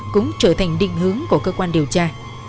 cũng trở thành định hướng của cơ quan điều tra